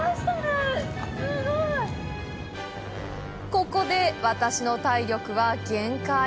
ここで私の体力は限界。